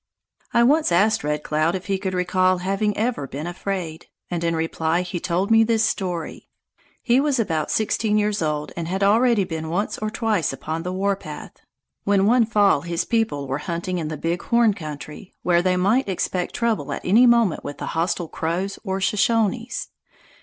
I once asked Red Cloud if he could recall having ever been afraid, and in reply he told me this story. He was about sixteen years old and had already been once or twice upon the warpath, when one fall his people were hunting in the Big Horn country, where they might expect trouble at any moment with the hostile Crows or Shoshones.